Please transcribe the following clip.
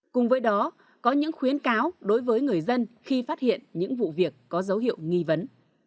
cùng với đó có những khuyến cáo đối với người dân khi phát hiện những vụ việc có dấu hiệu nghi vấn